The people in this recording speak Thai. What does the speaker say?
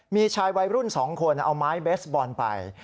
มีชายวัยรุ่น๒คนเอาไม้เบสบอลไป